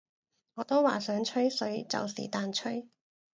我都話想吹水就是但吹